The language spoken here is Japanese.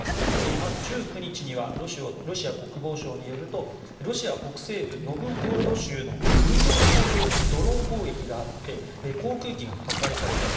まず１９日にはロシア国防省によるとロシア北西部ノブゴロド州の軍用飛行場にドローン攻撃があって航空機が破壊されたと。